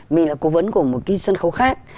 mình là cố vấn của một cái sân khấu khác